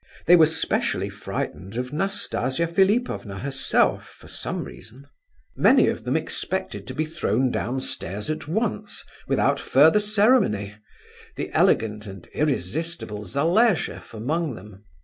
They were specially frightened of Nastasia Philipovna herself, for some reason. Many of them expected to be thrown downstairs at once, without further ceremony, the elegant and irresistible Zaleshoff among them.